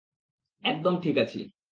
একদম ঠিক আছি।